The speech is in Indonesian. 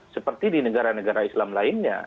seperti di negara negara islam lainnya